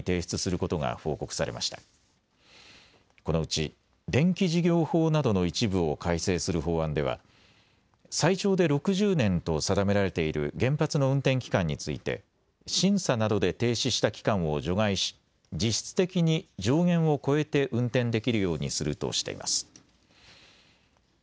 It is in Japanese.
このうち電気事業法などの一部を改正する法案では最長で６０年と定められている原発の運転期間について審査などで停止した期間を除外し実質的に上限を超えて運転できるようにするとしています。